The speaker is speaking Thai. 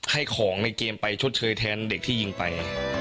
ให้ของในเกมไปชดเชยแทนเด็กที่ยิงไป